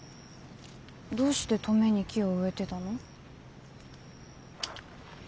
どうして登米に木を植えてたの？